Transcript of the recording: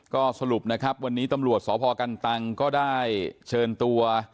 ก็สรุปนะครับวันนี้ตำรวจสพกันตังก็ได้เชิญตัว